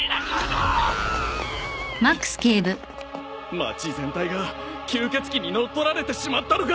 街全体が吸血鬼に乗っ取られてしまったのか！？